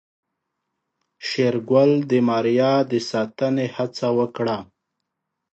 شېرګل د ماريا د ساتنې هڅه وکړه.